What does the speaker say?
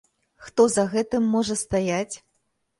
Хто за гэтым можа стаяць?